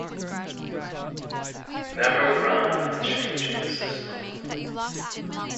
Never run a changing system.